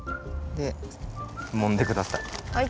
でもんでください。